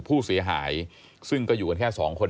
ผู้เสียหายซึ่งก็อยู่กันแค่สองคน